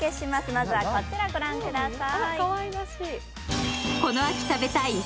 まずはこちら、ご覧ください。